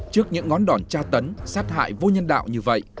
trước những ngón đòn tra tấn sát hại vô nhân đạo như vậy